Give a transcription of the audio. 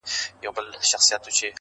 په محبت کي يې بيا دومره پيسې وغوښتلې,